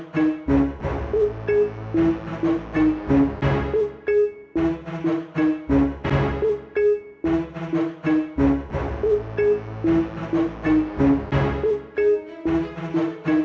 jangan membawa rose juga ke kran